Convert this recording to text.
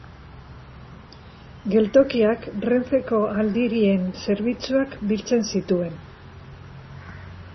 Geltokiak Renfeko aldirien zerbitzuak biltzen zituen.